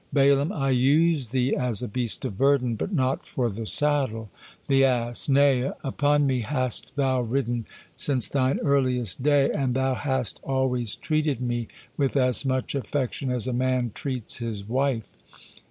Balaam: "I use thee as a beast of burden, but not for the saddle." The ass: "Nay, upon me has thou ridden since thine earliest day, and thou hast always treated me with as much affection as a man treats his wife."